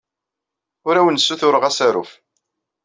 Ur awen-ssutureɣ asaruf.